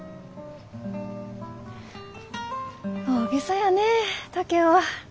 大げさやね竹雄は。